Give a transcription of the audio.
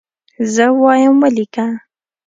زه وایم ولیکه.